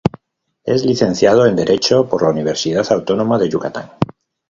Es licenciado en derecho por la Universidad Autónoma de Yucatán.